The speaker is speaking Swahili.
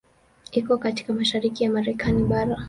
Iko katika mashariki ya Marekani bara.